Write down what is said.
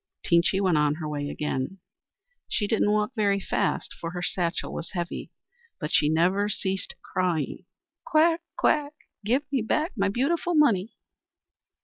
Teenchy went on her way again. She didn't walk very fast, for her satchel was heavy; but she never ceased crying: "Quack! quack! Give me back my beautiful money!"